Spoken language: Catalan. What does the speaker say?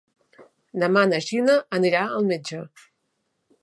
Demà na Gina anirà al metge.